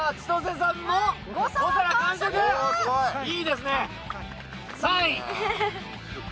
いいですね３位。